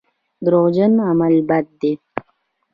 دروغجن عمل بد دی.